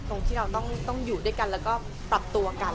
ตรงที่เราต้องอยู่ด้วยกันแล้วก็ปรับตัวกัน